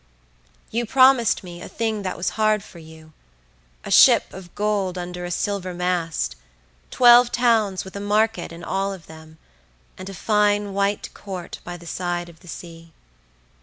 You promised me a thing that was hard for you, a ship of gold under a silver mast; twelve towns with a market in all of them, and a fine white court by the side of the sea.